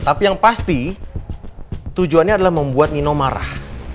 tapi yang pasti tujuannya adalah membuat nino marah